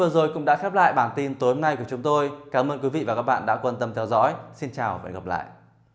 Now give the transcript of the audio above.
xin chào và hẹn gặp lại